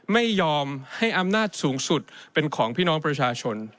ไม่ยอมให้อำนาจสูงสุดเป็นของพี่น้องประชาชน